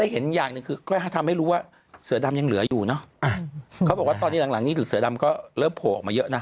แต่บางทีก็อยากไปทำเสนอเยอะนะ